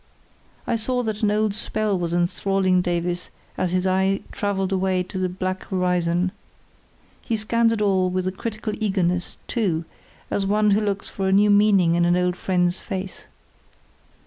I saw that an old spell was enthralling Davies as his eye travelled away to the blank horizon. He scanned it all with a critical eagerness, too, as one who looks for a new meaning in an old friend's face.